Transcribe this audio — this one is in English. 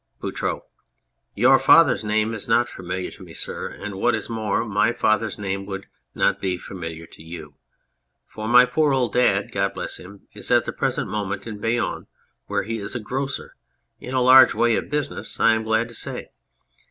BOUTROUX. Your father's name is not familiar to me, sir. And what is more, my father's name would not be familiar to you. For my poor old dad (God bless him !) is at the present moment in Bayonne, where he is a grocer in a large way of business, I am glad to say.